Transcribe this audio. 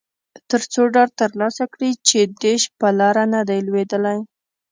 ترڅو ډاډ ترلاسه کړي چې ډیش په لاره نه دی لویدلی